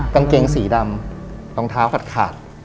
กางเกงสีดำรองเท้าขาด